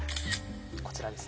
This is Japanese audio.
こちらです。